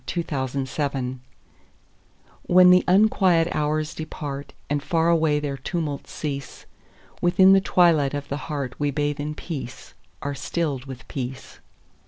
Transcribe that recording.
The Hour of Twilight WHEN the unquiet hours departAnd far away their tumults cease, Within the twilight of the heartWe bathe in peace, are stilled with peace.